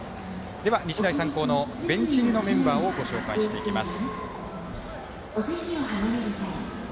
では、日大三高のベンチ入りのメンバーをご紹介していきます。